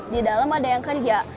di dalam ada yang kerja